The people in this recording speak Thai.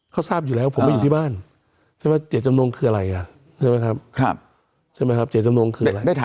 เขาทราบอยู่แล้วผมไม่อยู่ที่บ้านเจ็ดจำนวงคืออะไรใช่ไหมครับ